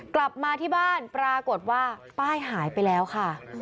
กลับมาที่บ้านปรากฏว่าป้ายหายไปแล้วค่ะ